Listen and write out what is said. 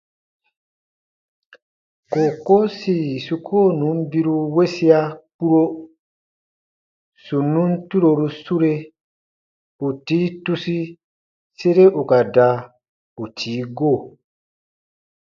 Kookoo sì su koo nùn biru wesia kpuro, sù nùn turoru sure, ù tii tusi sere ù ka da ù tii go.